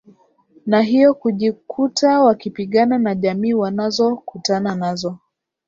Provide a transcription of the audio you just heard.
na hivyo kujikuta wakipigana na jamii wanazokutana nazo